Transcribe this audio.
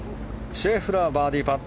シェフラーバーディーパット。